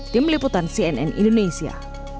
tim liputan cnn indonesia